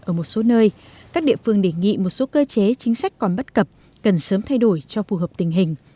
ở một số nơi các địa phương đề nghị một số cơ chế chính sách còn bất cập cần sớm thay đổi cho phù hợp tình hình